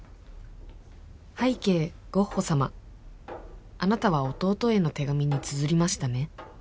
拝啓ゴッホ様あなたは弟への手紙につづりましたね